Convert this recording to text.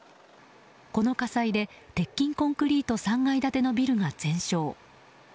この火災で鉄筋コンクリート３階建てのビルが全焼。